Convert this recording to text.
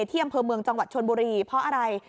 ที่อำเภอเมืองจังหวัดชนบุรีเพราะอะไร